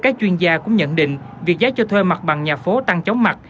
các chuyên gia cũng nhận định việc giá cho thuê mặt bằng nhà phố tăng chóng mặt